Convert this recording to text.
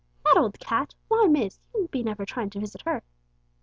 "That old cat! Why, miss! you be never tryin' to visit her?"